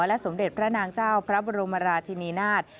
และสมเด็จพระนางเจ้าพระบรมราชินีนาฏ